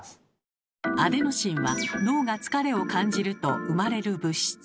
アデノシンは脳が疲れを感じると生まれる物質。